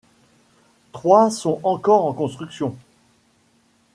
Trois sont encore en construction.